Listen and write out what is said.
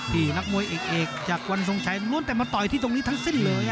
นักมวยเอกจากวันทรงชัยม้วนแต่มาต่อยที่ตรงนี้ทั้งสิ้นเลย